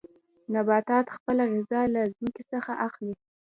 نباتات خپله غذا له ځمکې څخه اخلي.